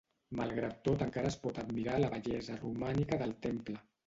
Malgrat tot encara es pot admirar la bellesa romànica del temple.